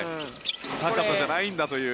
高さじゃないんだという。